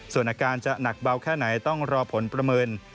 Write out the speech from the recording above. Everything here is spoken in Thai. ส่วนอาการจะหนักเบาแค่ไหนต้องรอผลประเมิน